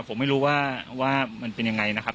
ผมไม่รู้ว่ามันเป็นยังไงนะครับ